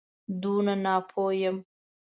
دونه ناپوه یم.